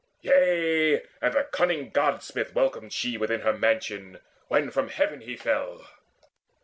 Yea, and the cunning God smith welcomed she Within her mansion, when from heaven he fell.